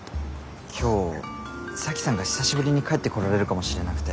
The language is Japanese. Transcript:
今日沙樹さんが久しぶりに帰ってこられるかもしれなくて。